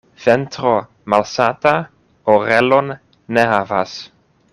Ventro malsata orelon ne havas.